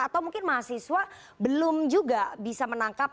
atau mungkin mahasiswa belum juga bisa menangkap